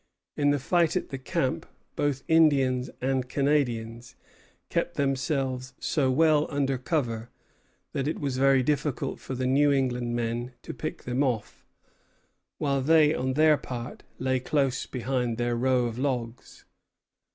In the fight at the camp, both Indians and Canadians kept themselves so well under cover that it was very difficult for the New England men to pick them off, while they on their part lay close behind their row of logs.